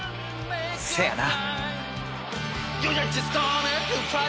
せやな。